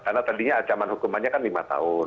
karena tadinya acaman hukumannya kan lima tahun